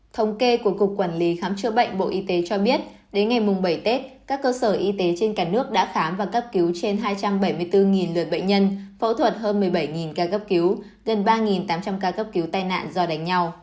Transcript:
thống kê của cục quản lý khám chữa bệnh bộ y tế cho biết đến ngày bảy tết các cơ sở y tế trên cả nước đã khám và cấp cứu trên hai trăm bảy mươi bốn lượt bệnh nhân phẫu thuật hơn một mươi bảy ca cấp cứu gần ba tám trăm linh ca cấp cứu tai nạn do đánh nhau